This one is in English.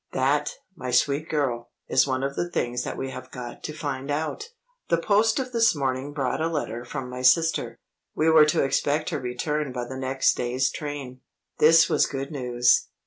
"That, my sweet girl, is one of the things that we have got to find out." ....... The post of this morning brought a letter from my sister. We were to expect her return by the next day's train. This was good news.